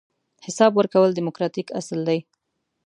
حساب ورکول دیموکراتیک اصل دی.